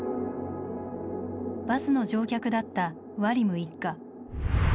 バスの乗客だったワリム一家。